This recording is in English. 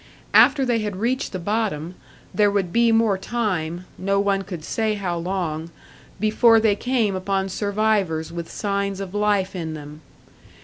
After they had reached the bottom, there would be more time, no one could say how long, before they came upon survivors with signs of life in them.